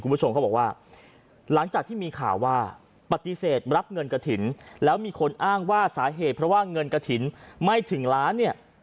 คุณผู้ชมเขาบอกว่าหลังจากที่มีข่าวว่าปฏิเสธรับเงินกระถิ่นแล้วมีคนอ้างว่าสาเหตุเพราะว่าเงินกระถิ่นไม่ถึงล้านเนี่ย